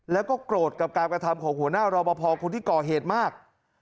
แล้วก็โกรธกับการกระทำของหัวหน้ารอปภคนที่ก่อเหตุมาก